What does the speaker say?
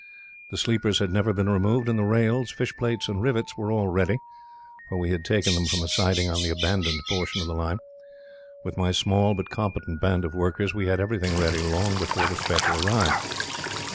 The sleepers had never been removed, and the rails, fish plates and rivets were all ready, for we had taken them from a siding on the abandoned portion of the line. With my small but competent band of workers, we had everything ready long before the special arrived.